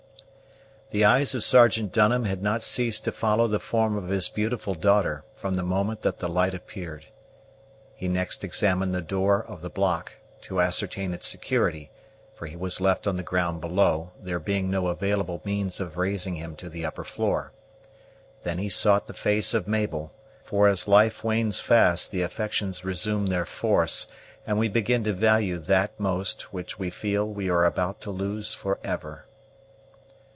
The eyes of Sergeant Dunham had not ceased to follow the form of his beautiful daughter from the moment that the light appeared. He next examined the door of the block, to ascertain its security; for he was left on the ground below, there being no available means of raising him to the upper floor. Then he sought the face of Mabel; for as life wanes fast the affections resume their force, and we begin to value that most which we feel we are about to lose for ever.